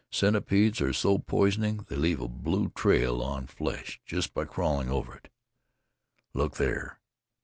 Centipedes are so poisonous they leave a blue trail on flesh just by crawling over it. Look there!"